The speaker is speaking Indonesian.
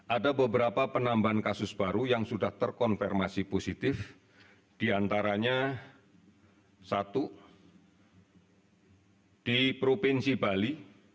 ada beberapa penambahan kasus baru yang sudah terkonfirmasi positif diantaranya satu di provinsi bali